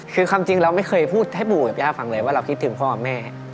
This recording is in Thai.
คือความจริงเราไม่เคยพูดให้ปู่กับย่าฟังเลยว่าเราคิดถึงพ่อแม่